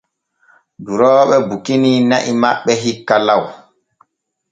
Durooɓe bukini na'i maɓɓe hikka law.